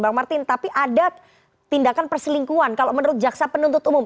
bang martin tapi ada tindakan perselingkuhan kalau menurut jaksa penuntut umum